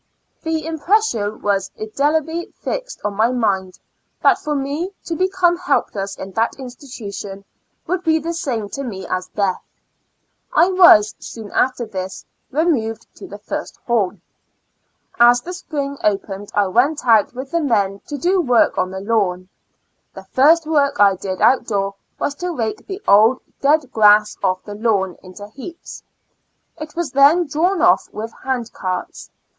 The impression was indelibly fixed on my mind, that for me to become helpless in that institution, would be the same to me as death. I was, soon after this, remov ed to the first hall. As the spring opened I went out with the men to work on the lawn. The first work I did out door was to rake the old dead grass ofi" the lawn into heaps. It was then drawn off with hand carts.